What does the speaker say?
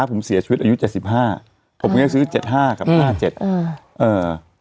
ผมเสียชีวิตอายุเจ็ดสิบห้าผมก็จะซื้อเจ็ดห้ากับห้าเจ็ดอ่าเอ่อ